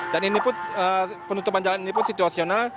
dan penutupan jalan ini pun situasional